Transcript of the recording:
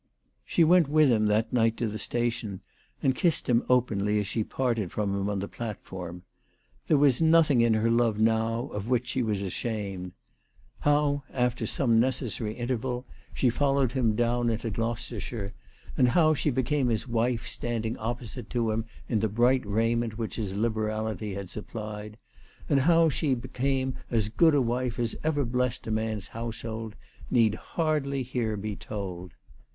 She went with him that night to the station, and kissed him openly as she parted from him on the plat form. There was nothing in her love now of which she was ashamed. How, after some necessary interval, THE TELEGKAPH GIRL. 319 she followed Mm down into Gloucestershire, and how she became his wife standing opposite to him in the bright raiment which his liberality had supplied, and how she became as good a wife as ever blessed a man's household, need hardly here be told.